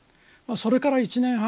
それから１年半。